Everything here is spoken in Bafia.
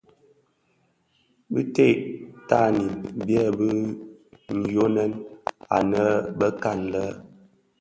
Bintèd tanin byèbi tyonèn anëbekan lè.